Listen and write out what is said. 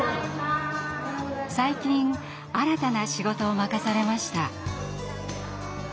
最近新たな仕事を任されました。